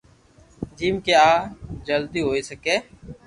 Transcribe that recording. جيم ڪي آ جلدو ھوئي سڪي